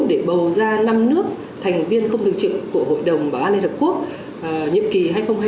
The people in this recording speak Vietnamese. để bầu ra năm nước thành viên không thường trực của hội đồng bảo an liên hợp quốc nhiệm kỳ hai nghìn hai mươi hai nghìn hai mươi một